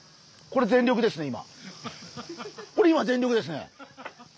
これ全力ですね今！